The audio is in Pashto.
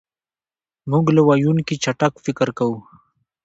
مونږ له ویونکي چټک فکر کوو.